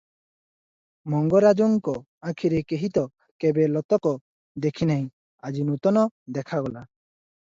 ମଙ୍ଗରାଜଙ୍କ ଆଖିରେ କେହିତ କେବେ ଲୋତକ ଦେଖିନାହିଁ, ଆଜି ନୂତନ ଦେଖାଗଲା ।